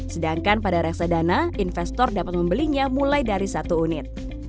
sedangkan pada reksadana investor dapat membelinya mulai dari satu unit